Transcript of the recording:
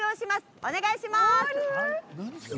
お願いします。